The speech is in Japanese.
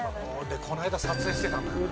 この間撮影してたんだよな。